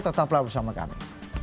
tetaplah bersama kami